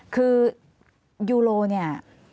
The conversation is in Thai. คือยูโรเนี่ย